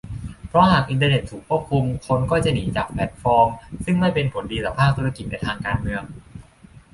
เพราะหากอินเทอร์เน็ตถูกควบคุม คนก็จะหนีจากแฟลตฟอร์มซึ่งไม่เป็นผลดีต่อภาคธุรกิจ ในทางการเมือง